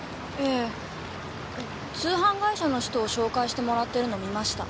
通販会社の人を紹介してもらってるの見ました。